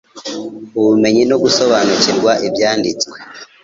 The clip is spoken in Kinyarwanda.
ubumenyi no gusobanukirwa ibyanditse